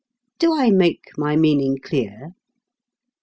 Do I make my meaning clear?